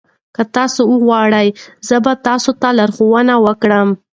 که تاسي وغواړئ زه به تاسي ته لارښوونه وکړم.